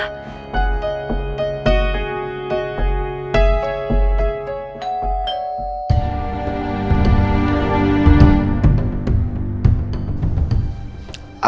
gue bener bener bingung harus ngelakuin apa